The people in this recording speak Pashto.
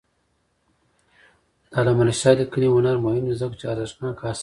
د علامه رشاد لیکنی هنر مهم دی ځکه چې ارزښتناک آثار لري.